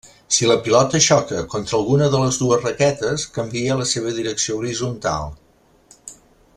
Si la pilota xoca contra alguna de les dues raquetes, canvia la seva direcció horitzontal.